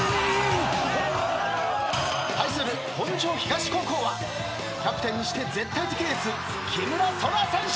対する本庄東高校はキャプテンにして絶対的エース。